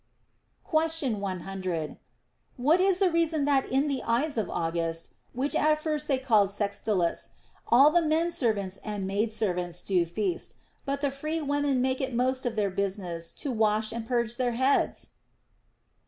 Question 100. What is the reason that in the Ides of THE ROMAN QUESTIONS. 251 August (which at first they called Sextilis) all the men servants and maid servants do feast, but the free women make it most of their business to wash and purge their heads